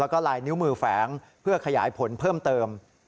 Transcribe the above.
แล้วก็ลายนิ้วมือแฝงเพื่อขยายผลเพิ่มเติม